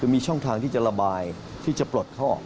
มีช่องทางที่จะระบายที่จะปลดเขาออก